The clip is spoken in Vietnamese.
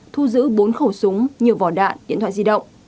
thu giữ bốn khẩu súng nhiều vỏ đạn điện thoại di động